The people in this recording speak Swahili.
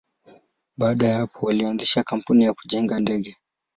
Baada ya hapo, walianzisha kampuni ya kujenga ndege.